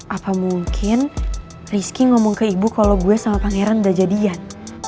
apa mungkin rizky ngomong ke ibu kalau gue sama pangeran udah jadian